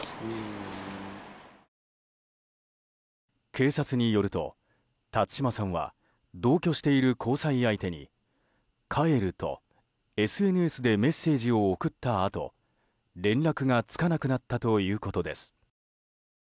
警察によると、辰島さんは同居している交際相手に帰るとＳＮＳでメッセージを送ったあと連絡がつかなくなったということです。